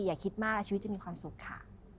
อย่าคิดมากชีวิตจะมีความสุขค่ะ